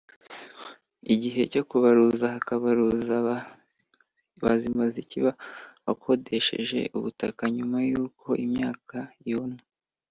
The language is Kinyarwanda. igihe cyo kubaruza hakabaruza Bazimaziki wakodesheje ubutaka nyuma y’uko imyaka yonwe